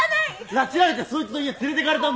拉致られてそいつの家連れてかれたんだよ。